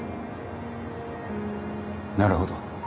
なるほど。